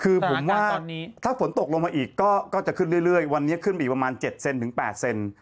คือผมว่าถ้าฝนตกลงมาอีกก็จะขึ้นเรื่อยวันนี้ขึ้นไปอีกประมาณ๗เซนถึง๘เซน